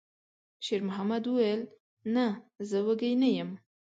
شېرمحمد وویل: «نه، زه وږی نه یم.»